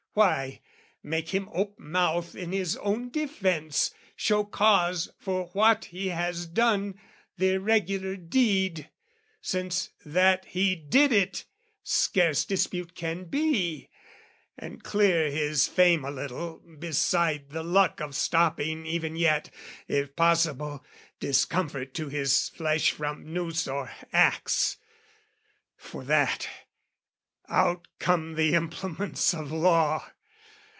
Why make him ope mouth in his own defence, Show cause for what he has done, the irregular deed, (Since that he did it, scarce dispute can be) And clear his fame a little, beside the luck Of stopping even yet, if possible, Discomfort to his flesh from noose or axe For that, out come the implements of law!